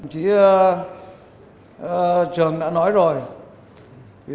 chỉ trường đã nói rồi